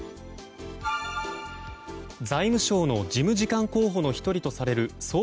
財務省の事務次官候補の１人とされる総括